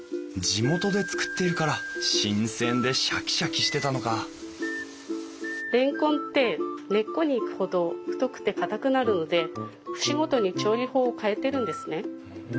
地元で作っているから新鮮でシャキシャキしてたのかレンコンって根っこに行くほど太くてかたくなるので節ごとに調理法を変えてるんですね。